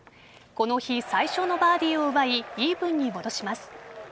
この日最初のバーディーを奪いイーブンに戻します。